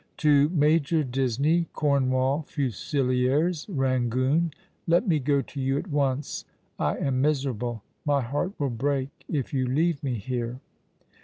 " To Major Disney, Cornwall Fusiliers, Eangoon. — Let mo go to you at once. I am miserable. My heart will break if you leave me here."